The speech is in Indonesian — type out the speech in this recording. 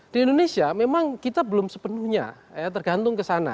di indonesia memang kita belum sepenuhnya tergantung ke sana